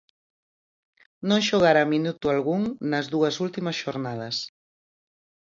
Non xogara minuto algún nas dúas últimas xornadas.